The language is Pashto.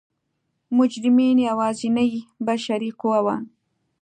مجرمین یوازینۍ بشري قوه وه.